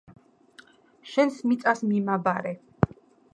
შენს მიწას მიმაბარე